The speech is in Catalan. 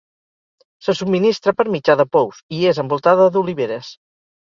Se subministra per mitjà de pous, i és envoltada d'oliveres.